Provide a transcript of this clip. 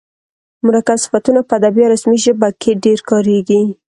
مرکب صفتونه په ادبي او رسمي ژبه کښي ډېر کاریږي.